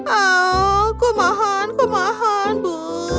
oh kemahan kemahan bu